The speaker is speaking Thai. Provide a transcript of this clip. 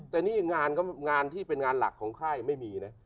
แต่นี่งานก็งานที่เป็นงานหลักของค่ายไม่มีนะ